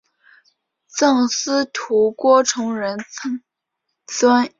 赠司徒郭崇仁曾孙。